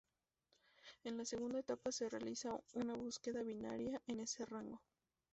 En la segunda etapa, se realiza una búsqueda binaria en ese rango.